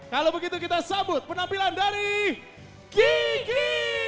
kalau begitu kita sambut penampilan dari gigi